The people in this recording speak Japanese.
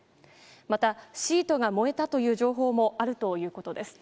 またシートが燃えたという情報もあるということです。